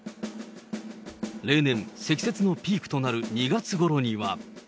例年、積雪のピークとなる２月ごろには。